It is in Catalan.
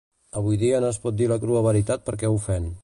Avui dia no es pot dir la crua veritat perquè ofèn